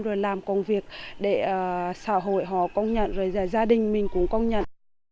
rồi làm công việc để xã hội họ công nhận rồi gia đình mình cũng công nhận